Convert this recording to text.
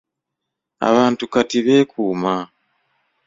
Abantu kati beekuuma